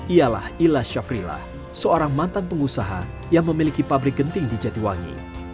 ialah ila syafrilah seorang mantan pengusaha yang memiliki pabrik genting di jatiwangi